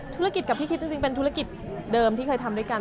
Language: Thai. ธุรกิจกับพี่คิดจริงเป็นธุรกิจเดิมที่เคยทำด้วยกัน